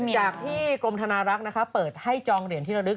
จากที่กรมธนารักษ์เปิดให้จองเหรียญที่ระลึก